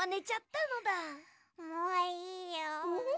もういいよ。